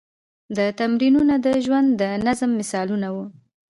دا تمرینونه د ژوند د نظم مثالونه وو.